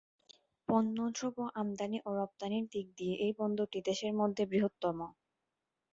পন্য দ্রব্য আমদানি ও রপ্তানির দিক দিয়ে এই বন্দরটি দেশের মধ্যে বৃহত্তম।